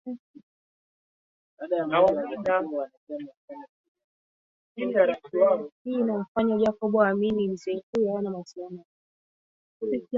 Hii inamfanya Jacob aamini mzee huyo hana mawasiliano na watu wengi